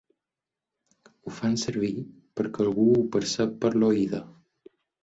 Ho fan servir perquè algú ho percep per l'oïda.